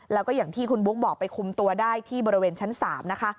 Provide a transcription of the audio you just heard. แล้วก็อย่างที่คุณบุ๊คบอกไปคุมตัวได้ที่บริเวณชั้น๓นะคะ